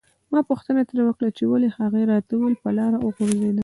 ما پوښتنه ترې وکړه چې ولې هغې راته وویل په لاره وغورځیدم.